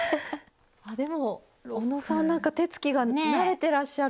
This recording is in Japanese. でもおのさんなんか手つきが慣れてらっしゃる。